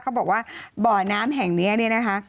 เขาบอกว่าบ่อน้ำแห่งนี้เนี่ยนะคะ